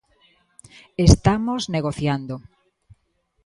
Estamos negociando.